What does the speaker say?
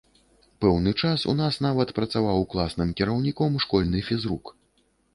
Пэўны час у нас нават працаваў класным кіраўніком школьны фізрук.